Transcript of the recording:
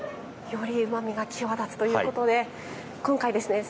よりうまみが際立つということで今回ですね